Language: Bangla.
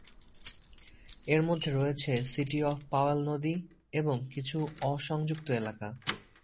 এর মধ্যে রয়েছে সিটি অফ পাওয়েল নদী এবং কিছু অ-সংযুক্ত এলাকা।